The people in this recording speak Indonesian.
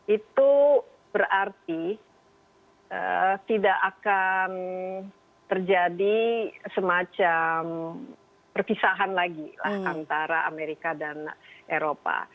itu berarti tidak akan terjadi semacam perpisahan lagi lah antara amerika dan eropa